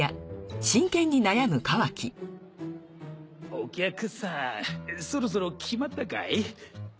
お客さんそろそろ決まったかい？